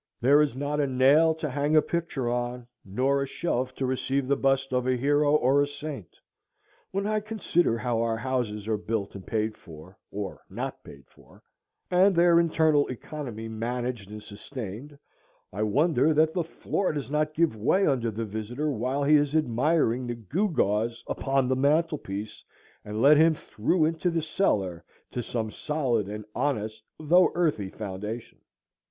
There is not a nail to hang a picture on, nor a shelf to receive the bust of a hero or a saint. When I consider how our houses are built and paid for, or not paid for, and their internal economy managed and sustained, I wonder that the floor does not give way under the visitor while he is admiring the gewgaws upon the mantel piece, and let him through into the cellar, to some solid and honest though earthy foundation.